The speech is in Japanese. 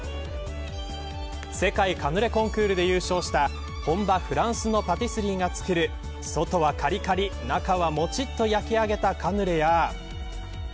世界カヌレコンクールで優勝した本場フランスのパティスリーが作る外はかりかり、中はもちっと焼き上げたカヌレ。